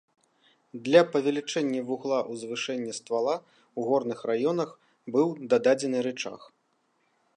Для павелічэння вугла узвышэння ствала ў горных раёнах быў дададзены рычаг.